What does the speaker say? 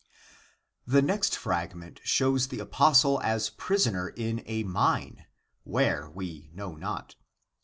The next fragment shows the apostle as prisoner in a mine, where, we know not.